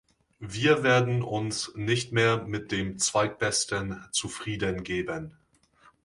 Wir werden uns nicht mehr mit dem zweitbesten zufrieden geben.